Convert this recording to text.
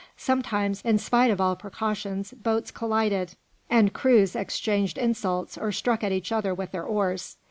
Sometimes, in spite of all precautions, boats collided, and crews exchanged insults or struck at each other with their oars.